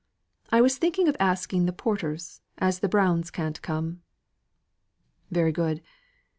I was thinking of asking the Porters, as the Browns can't come." "Very good.